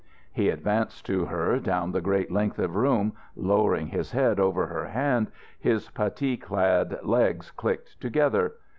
He advanced to her down the great length of room, lowering his head over her hand, his puttee clad legs clicked together.